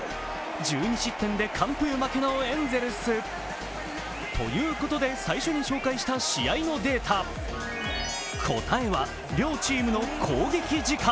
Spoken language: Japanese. １２失点で完封負けのエンゼルス。ということで最初に紹介した試合のデータ、答えは両チームの攻撃時間。